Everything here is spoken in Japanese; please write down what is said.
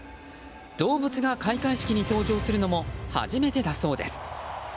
動物が開会式に登場するのも初めてだそうです。